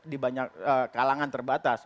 di banyak kalangan terbatas